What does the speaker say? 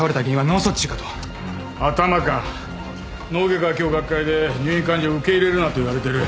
脳外科は今日学会で入院患者を受け入れるなと言われてる。